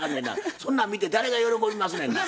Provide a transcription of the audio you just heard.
そんなん見て誰が喜びますねんな。